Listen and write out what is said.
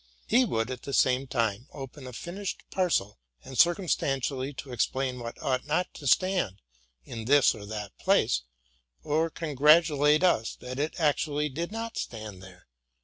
He would, at the same time, open a finished parcel, and circumstantially to explain what ought not to stand in this or that place, or con gratulate us that it actually did not stand there.